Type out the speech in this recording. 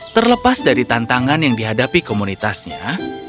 terlepas dari tantangan yang dihadapi komunitasnya